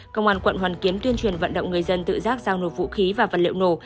công an quận hoàn kiếm tuyên truyền vận động người dân tự giác giao nộp vũ khí và vật liệu nổ